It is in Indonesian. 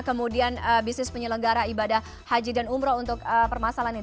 kemudian bisnis penyelenggara ibadah haji dan umroh untuk permasalahan ini